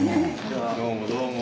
どうもどうも。